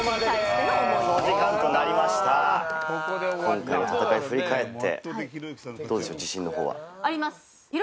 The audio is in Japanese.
今回の戦いを振り返って。